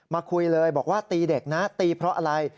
คุยเลยบอกว่าตีเด็กนะตีเพราะอะไร